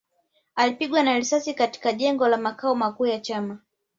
Alipigwa na risasi katika jengo la makao makuu ya chama